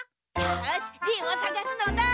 よしリンをさがすのだ！